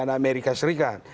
dan di amerika serikat